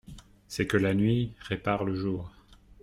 C'est que la nuit répare le jour.